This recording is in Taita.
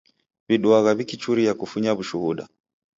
W'iduagha w'ikichuria kufunya w'ushuda.